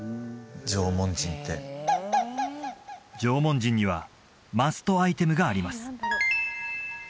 縄文人って縄文人にはマストアイテムがあります